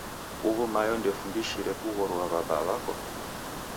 Uwu mayo ndekufundishire kuroghua wabaa wako?